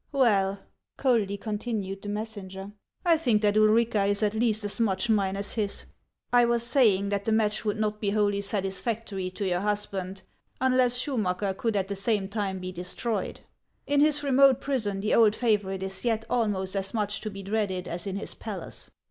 " Well," coldly continued the messenger, " I think that Ulrica is at least as much mine as his. I was saying that the match would not be wholly satisfactory to your hus band unless Schumacker could at the same time be de stroyed. In his remote prison the old favorite is yet almost as much to be dreaded as in his palace.